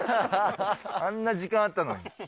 あんな時間あったのに。